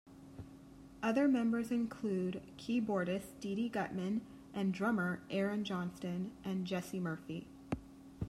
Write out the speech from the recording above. Other members include keyboardist Didi Gutman and drummer Aaron Johnston and Jesse Murphy.